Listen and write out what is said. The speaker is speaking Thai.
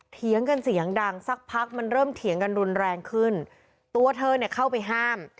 เถียงกันเสียงดังสักพักมันเริ่มเถียงกันรุนแรงขึ้นตัวเธอเนี่ยเข้าไปห้าม